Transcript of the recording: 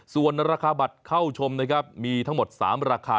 ส่วนราคาบัตรเข้าชมนะครับมีทั้งหมด๓ราคา